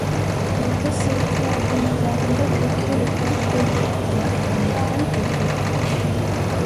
Burada sırıkla atlama dalında Türkiye rekoru kırdı ama elenmekten kurtulamadı.